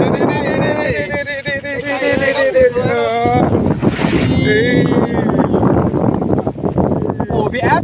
โหมือไก่